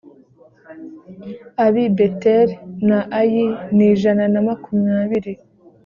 ab i beteli na ayi ni ijana na makumyabiri